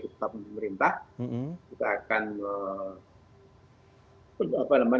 ketatunan pemerintah kita akan